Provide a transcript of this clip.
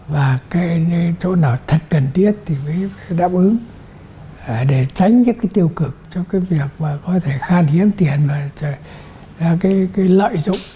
và cái chỗ nào thật cần thiết thì mới đáp ứng để tránh những cái tiêu cực cho cái việc mà có thể khan hiếm tiền ra cái lợi dụng